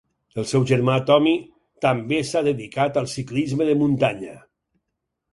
El seu germà Tomi també s'ha dedicat al ciclisme de muntanya.